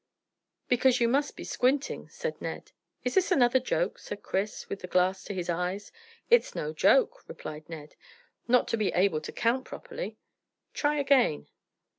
"Because you must be squinting," said Ned. "Is this another joke?" said Chris, with the glass to his eyes. "It's no joke," replied Ned, "not to be able to count properly. Try again."